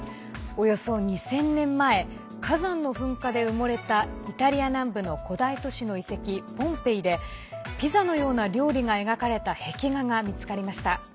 およそ２０００年前火山の噴火で埋もれたイタリア南部の古代都市の遺跡ポンペイでピザのような料理が描かれた壁画が見つかりました。